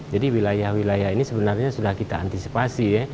jadi wilayah wilayah ini sebenarnya sudah kita antisipasi ya